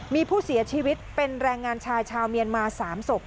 มีผู้เสียชีวิตเป็นแรงงานชายชาวเมียนมา๓ศพ